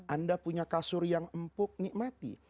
anda punya kasur yang empuk nikmati